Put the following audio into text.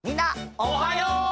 おはよう！